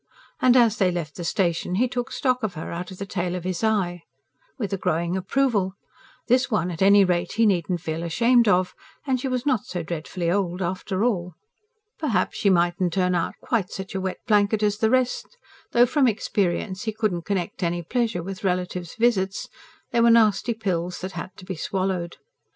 And as they left the station he took stock of her, out of the tail of his eye. With a growing approval: this one at any rate he needn't feel ashamed of; and she was not so dreadfully old after all. Perhaps she mightn't turn out quite such a wet blanket as the rest; though, from experience, he couldn't connect any pleasure with relatives' visits: they were nasty pills that had to be swallowed.